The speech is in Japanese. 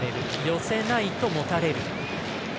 寄せないと、もたれる。